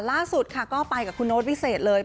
ล่าสุดค่ะก็ไปกับคุณโน๊ตวิเศษเลย